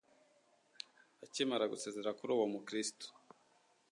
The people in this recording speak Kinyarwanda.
Akimara gusezera kuri uwo mukristu,